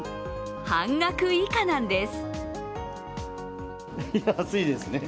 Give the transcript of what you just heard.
半額以下なんです。